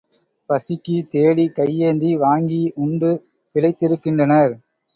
பசிக்குத் தேடிக் கையேந்தி வாங்கி உண்டு பிழைத்திருக்கின்றனர்.